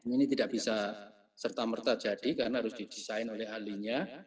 ini tidak bisa serta merta jadi karena harus didesain oleh ahlinya